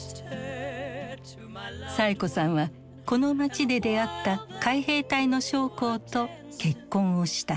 サエ子さんはこの街で出会った海兵隊の将校と結婚をした。